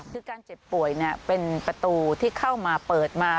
คือการเจ็บป่วยเป็นประตูที่เข้ามาเปิดมา